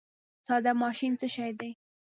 ساده ماشین څه شی دی؟